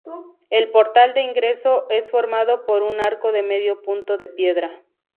El portal de ingreso es formado por un arco de medio punto de piedra.